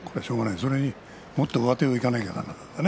それの、もっと上手をいかなければいけない。